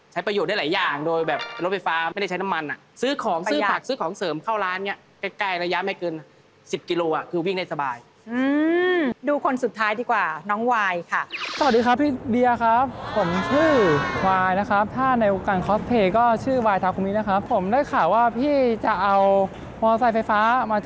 ประโยชนได้หลายอย่างโดยแบบรถไฟฟ้าไม่ได้ใช้น้ำมันอ่ะซื้อของซื้อผักซื้อของเสริมเข้าร้านเนี้ยใกล้ใกล้ระยะไม่เกินสิบกิโลอ่ะคือวิ่งได้สบายอืมดูคนสุดท้ายดีกว่าน้องวายค่ะสวัสดีครับพี่เบียร์ครับผมชื่อควายนะครับถ้าในวงการคอสเพลย์ก็ชื่อวายทาคนนี้นะครับผมได้ข่าวว่าพี่จะเอามอเซไฟฟ้ามา